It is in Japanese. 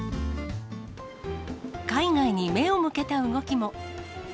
海外に目を向けた動きも。